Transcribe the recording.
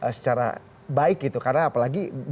karena apalagi belum belum idi sudah diselenggarakan